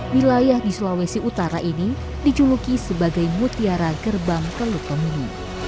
wilayah di sulawesi utara ini dijuluki sebagai mutiara gerbang kelukomini